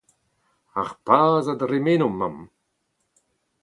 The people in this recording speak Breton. Ar paz a dremeno, mamm.